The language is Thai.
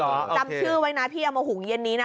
อ๋อเหรอจำคือไว้นะพี่เอามาหุงเย็นนี้น่ะ